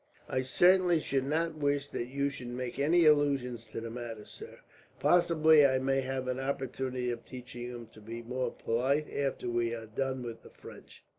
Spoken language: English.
"I certainly should not wish that you should make any allusion to the matter, sir. Possibly I may have an opportunity of teaching him to be more polite, after we have done with the French."